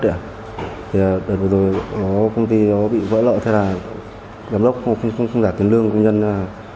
thì bây giờ công ty nó bị vỡ lỡ thế là gặp lốc không giả tiền lương của công nhân